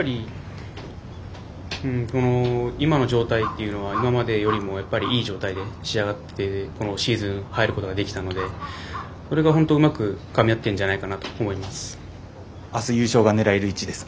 今の状態っていうのはいい状態で仕上がってこのシーズン入ることができたのでこれが本当、うまくかみ合ってるんじゃないかなとあす優勝が狙える位置です。